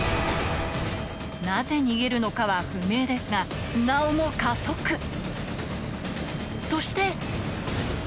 なぜ逃げるのかは不明ですがなおも加速そして！